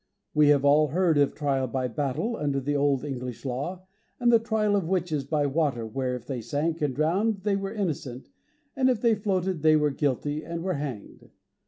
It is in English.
We have all heard of trial by battle, under the old English law, and the trial of witches by water, where, if they sank and drowned they were innocent, and if they floated they were guilty and were hanged.